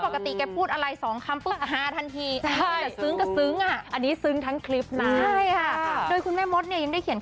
ถ้าปกติผู้อะไรสองคำฝึกปังกาทันที